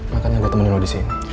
makanya gue temenin lo disini